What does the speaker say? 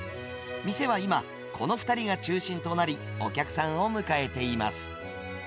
店は今、この２人が中心となり、お客さんを迎えています。